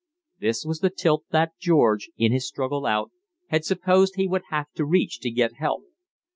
This was the tilt that George, in his struggle out, had supposed he would have to reach to get help.